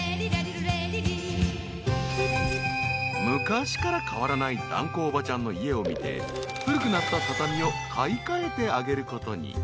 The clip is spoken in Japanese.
［昔から変わらないだんこおばちゃんの家を見て古くなった畳を買い替えてあげることに］